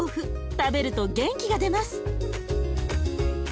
食べると元気が出ます。